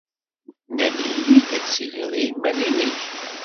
Nnan-iyi-d ad tiliḍ i yiman-nnek.